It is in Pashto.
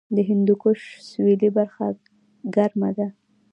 د هندوکش سویلي برخه ګرمه ده